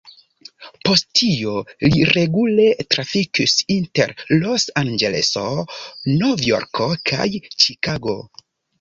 Post tio li regule trafikis inter Los-Anĝeleso, Novjorko kaj Ĉikago.